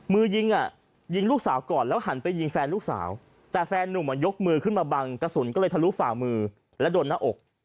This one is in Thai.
มือยิงอ่ะยิงลูกสาวก่อนแล้วหันไปยิงแฟนลูกสาวแต่แฟนนุ่มอ่ะยกมือขึ้นมาบังกระสุนก็เลยทะลุฝ่ามือและโดนหน้าอก